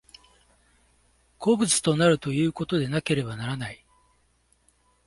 個物となるということでなければならない。